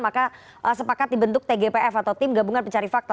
maka sepakat dibentuk tgpf atau tim gabungan pencari fakta